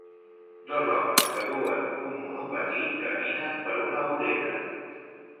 Dos homes que duen un monopatí caminen per una vorera.